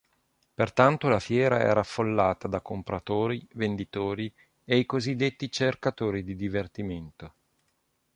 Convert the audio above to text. Pertanto la fiera era affollata da compratori, venditori e i cosiddetti "cercatori di divertimento".